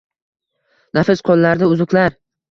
Nafis qo’llarida uzuklar.